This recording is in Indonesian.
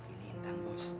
ini intang bos